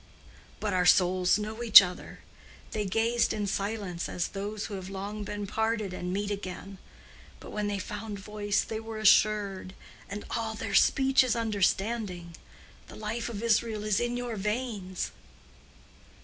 But our souls know each other. They gazed in silence as those who have long been parted and meet again, but when they found voice they were assured, and all their speech is understanding. The life of Israel is in your veins."